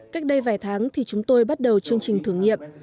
cách đây vài tháng thì chúng tôi bắt đầu chương trình thử nghiệm